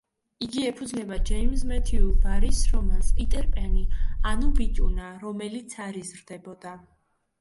იგი ეფუძნება ჯეიმზ მეთიუ ბარის რომანს „პიტერ პენი, ანუ ბიჭუნა, რომელიც არ იზრდებოდა“.